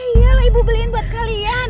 iyalah ibu beliin buat kalian